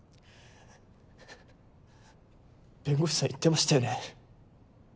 弁護士さん言ってましたよね。